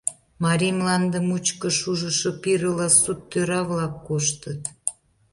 Марий мланде мучко шужышо пирыла сут тӧра-влак коштыт.